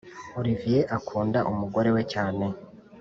oliviye akunda umugore we cyane